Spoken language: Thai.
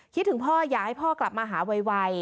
คิดถึงพ่อย้างให้พ่อกลับมาหาไว